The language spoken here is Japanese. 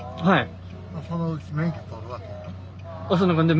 はい。